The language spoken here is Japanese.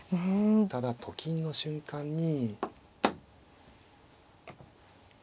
ただと金の瞬間に。